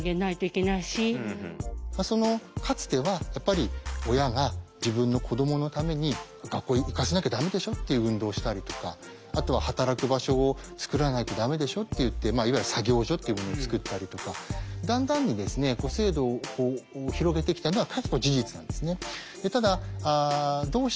かつてはやっぱり親が自分の子どものために「学校行かせなきゃダメでしょ」っていう運動をしたりとかあとは「働く場所を作らないとダメでしょ」といっていわゆる作業所っていうものを作ったりとかだんだんに制度を広げてきたのは事実なんですね。